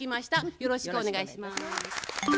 よろしくお願いします。